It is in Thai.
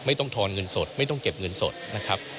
ทอนเงินสดไม่ต้องเก็บเงินสดนะครับ